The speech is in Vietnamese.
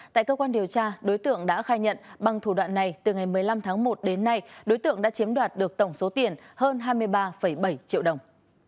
tại cơ quan điều tra đối tượng đã khai nhận bằng thủ đoạn này từ ngày một mươi năm tháng một đến nay đối tượng đã chiếm đoạt được tổng số tiền hơn hai mươi ba bảy triệu đồng